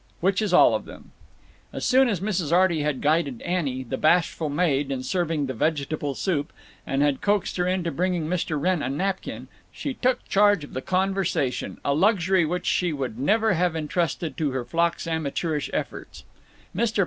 Which is all of them. As soon as Mrs. Arty had guided Annie, the bashful maid, in serving the vegetable soup, and had coaxed her into bringing Mr. Wrenn a napkin, she took charge of the conversation, a luxury which she would never have intrusted to her flock's amateurish efforts. Mr.